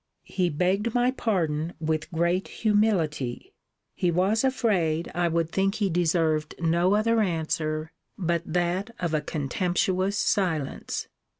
He begged my pardon with great humility: he was afraid I would think he deserved no other answer, but that of a contemptuous silence.